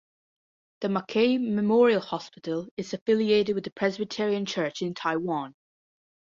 The Mackay Memorial Hospital is affiliated with the Presbyterian Church in Taiwan.